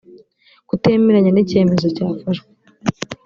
kutemeranya n icyemezo cyafashwe